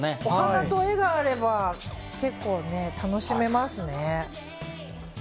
お花と絵があれば、結構楽しめますね。